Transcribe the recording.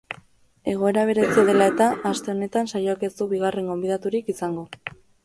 Egoera berezia dela eta, aste honetan saioak ez du bigarren gonbidaturik izango.